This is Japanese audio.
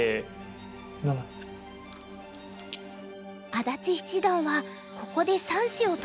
安達七段はここで３子を取りました。